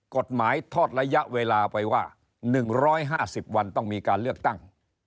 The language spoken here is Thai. ทอดระยะเวลาไปว่า๑๕๐วันต้องมีการเลือกตั้ง